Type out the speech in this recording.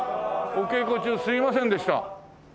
お稽古中すいませんでした。